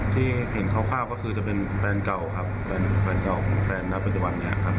ที่เห็นคร่าวก็คือจะเป็นแฟนเก่าครับแฟนเก่าของแฟนณปัจจุบันนี้ครับ